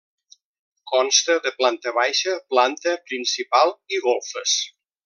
Consta de planta baixa, planta principal i golfes.